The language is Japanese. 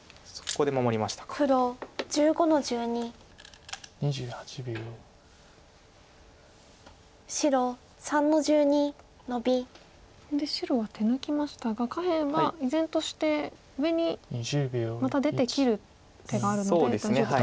ここで白は手抜きましたが下辺は依然として上にまた出て切る手があるので大丈夫と。